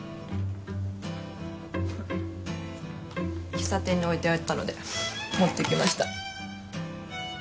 喫茶店に置いてあったので持ってきました。